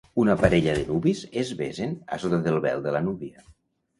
Una parella de nuvis es besen a sota del vel de la núvia.